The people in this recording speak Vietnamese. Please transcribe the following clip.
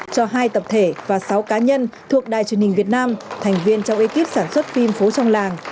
cho hai tập thể và sáu cá nhân thuộc đài truyền hình việt nam thành viên trong ekip sản xuất phim phố trong làng